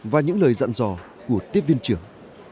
và những lời dặn dò của tiếp viên trưởng